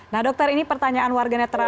nah dokter ini pertanyaan warganetra